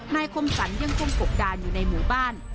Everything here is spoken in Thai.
คมสรรยังคงกบดานอยู่ในหมู่บ้าน